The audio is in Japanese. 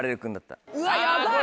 うわヤバい。